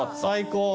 最高。